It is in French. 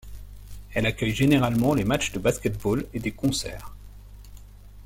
Elle accueille généralement les matchs de basket-ball et des concerts.